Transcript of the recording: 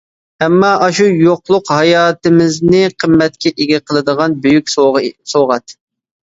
ئەمما، ئاشۇ يوقلۇق ھاياتىمىزنى قىممەتكە ئىگە قىلىدىغان بۈيۈك سوۋغات.